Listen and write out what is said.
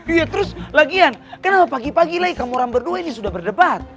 iya terus lagian kenapa pagi pagi lagi kamu orang berdua ini sudah berdebat